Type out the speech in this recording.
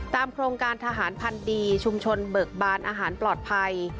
โครงการทหารพันธ์ดีชุมชนเบิกบานอาหารปลอดภัย